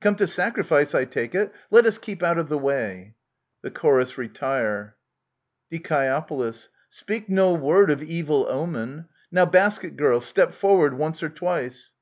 Come to sacrifice, I take it Let us keep out of the way ! [The Chorus retire. Die. Speak no word of evil omen ! Now, basket girl,* step forward once or twice